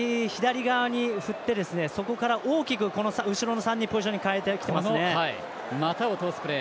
１回、左側に振ってそこから大きく後ろの３人ポゼッション変えてきてますね。